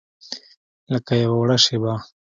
لکه یوه وړه شیبه